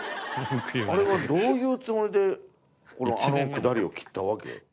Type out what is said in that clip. あれはどういうつもりであのくだりを切ったわけ？